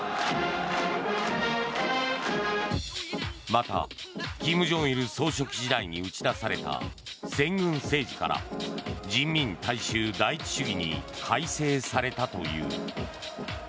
また、金正日総書記時代に打ち出された、先軍政治から人民大衆第一主義に改正されたという。